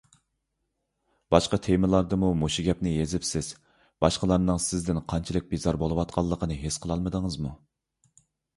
باشقا تېمىلاردىمۇ مۇشۇ گەپنى يېزىپسىز، باشقىلارنىڭ سىزدىن قانچىلىك بىزار بولۇۋاتقانلىقىنى ھېس قىلالمىدىڭىزمۇ؟